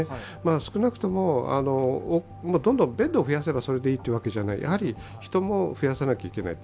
少なくとも、どんどんベッドを増やせばそれでいいというわけじゃないやはり人も増やさなきゃいけない。